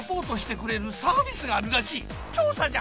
調査じゃ！